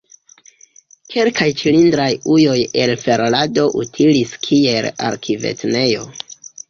Kelkaj cilindraj ujoj el ferlado utilis kiel arkivtenejo.